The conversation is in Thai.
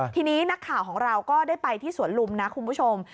ทีนี้นักข่าวของเราก็ได้ไปที่สวนลุมนะคุณผู้ชม